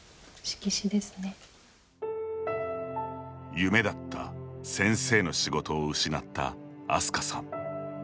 夢だった先生の仕事を失ったあすかさん。